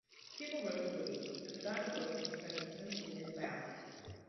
People really believed that the god of growth was present unseen in the bough.